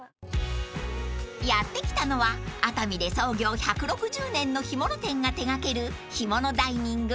［やって来たのは熱海で創業１６０年の干物店が手掛ける］